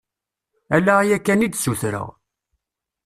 Ala aya kan i d-ssutreɣ.